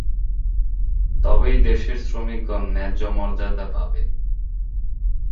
তবেই দেশের শ্রমিকগণ ন্যায্য মর্যাদা পাবে।